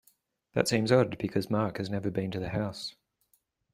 That seems odd because Mark has never been to the house.